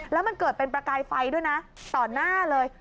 แล้วมันเกิดเป็นประกายไฟด้วยนะต่อหน้าเลย